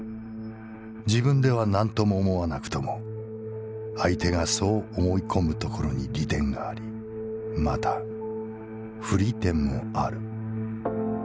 自分では何とも思はなくとも相手がそう思い込む所に利点があり又不利点もある」。